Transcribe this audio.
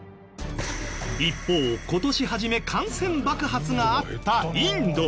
一方今年始め感染爆発があったインド。